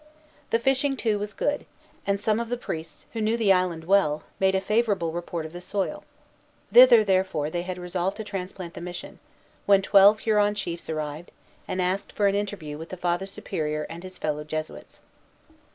The fishing, too, was good; and some of the priests, who knew the island well, made a favorable report of the soil. Thither, therefore, they had resolved to transplant the mission, when twelve Huron chiefs arrived, and asked for an interview with the Father Superior and his fellow Jesuits.